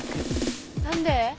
何で？